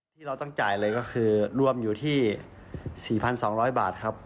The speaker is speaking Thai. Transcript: ที่เราต้องจ่ายเลยก็คือรวมอยู่ที่๔๒๐๐บาทครับ